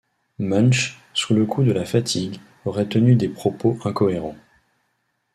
Münch, sous le coup de la fatigue, aurait tenu des propos incohérents.